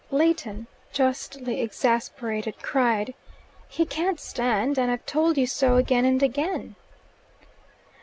Leighton, justly exasperated, cried, "He can't stand, and I've told you so again and again."